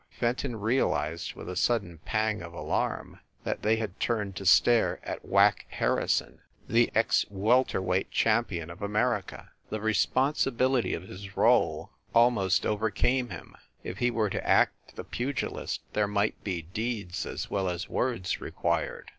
Fenton realized, with a sudden pang of alarm, that they had turned to stare at Whack Harrison, the ex welter weight THE CAXTON DINING ROOM 159 champion of America. The responsibility of his role almost overcame him. If he were to act the pugilist there might be deeds as well as words re quired.